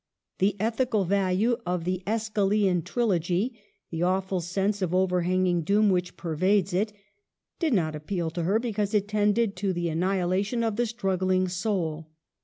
The ethical value of the iEschylean trilogy — the awful sense of overhanging doom which pervades it— did not appeal to her, because it tended to the an nihilation of the struggling soul.